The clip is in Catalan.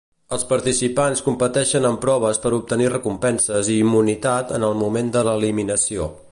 Els participants competeixen en proves per obtenir recompenses i immunitat en el moment de l'eliminació.